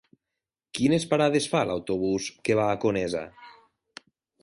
Quines parades fa l'autobús que va a Conesa?